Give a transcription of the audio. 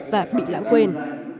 và bị lãng quên